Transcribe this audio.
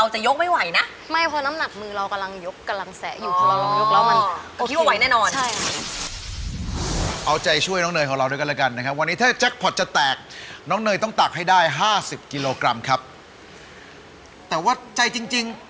จะได้นำพั่วทองคำนี้ไปตักเงินแสนกลับบ้าน